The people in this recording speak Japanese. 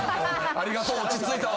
「ありがとう落ち着いたわ」